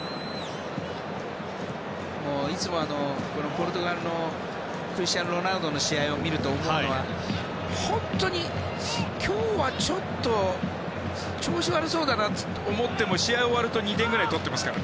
いつも、ポルトガルのクリスティアーノ・ロナウドの試合を見ると思うのは、本当に今日はちょっと調子悪そうだなと思っても試合が終わると２点ぐらい取ってますから。